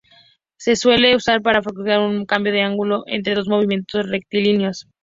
Se suele usar para facilitar un cambio de ángulo entre dos movimientos rectilíneos.